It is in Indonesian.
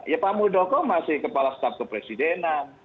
ya pak muldoko masih kepala staf kepresidenan